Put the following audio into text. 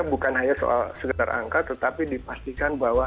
bukan hanya soal segetar angka tetapi dipastikan bahwa